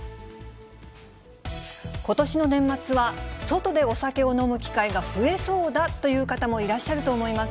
ことしの年末は、外でお酒を飲む機会が増えそうだという方もいらっしゃると思います。